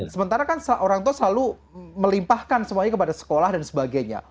sementara kan orang tua selalu melimpahkan semuanya kepada sekolah dan sebagainya